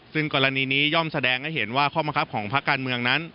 ซึ่งกรณีนี้ย่อมแสดงให้เห็นว่าข้อบังคับของภาคการเมืองนั้น